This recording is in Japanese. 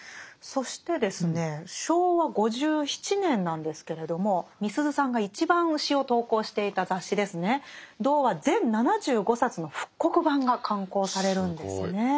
そしてですね昭和５７年なんですけれどもみすゞさんが一番詩を投稿していた雑誌ですね「童話」全７５冊の復刻版が刊行されるんですね。